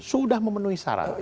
sudah memenuhi syarat